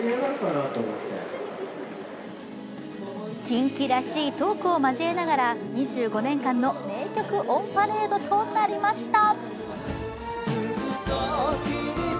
キンキらしいトークを交えながら２５年間の名曲オンパレードとなりました。